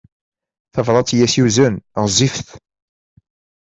Tabrat i as-yuzen ɣezzifet.